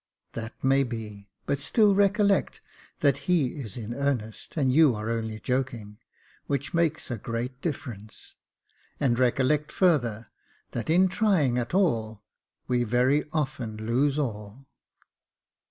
" That may be ; but still recollect that he is in earnest, and you are only joking, which makes a great difference j and recollect further, that in trying at all, we very often lose all."